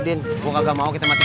tidak maksud gue akan mati